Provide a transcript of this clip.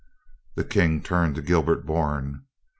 The King turned to Gilbert Bourne.